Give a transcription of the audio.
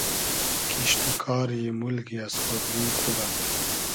کیشت و کاری مولگی از خۉدگی خوبۂ